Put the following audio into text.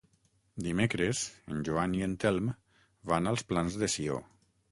Dimecres en Joan i en Telm van als Plans de Sió.